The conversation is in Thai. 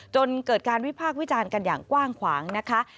จนเกิดการวิพากษ์วิจารณ์กันอย่างกว้างขวางนะคะ